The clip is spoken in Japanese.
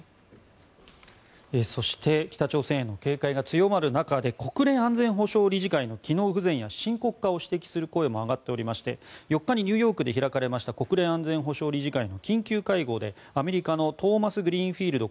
そして北朝鮮への警戒が強まる中で国連安全保障理事会の機能不全や深刻化を指摘する声も上がっておりまして、４日にニューヨークで開かれました国連安全保障理事会の緊急会合でアメリカのトーマスグリーンフィールド